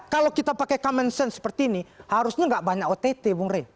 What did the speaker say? kalau kita pakai common sense seperti ini harusnya nggak banyak ott bung rey